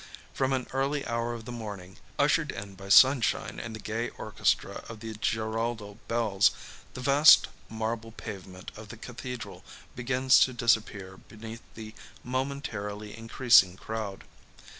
From an early hour of the morning, ushered in by sunshine and the gay orchestra of the Giralda bells, the vast marble pavement of the cathedral begins to disappear beneath the momentarily increasing crowd.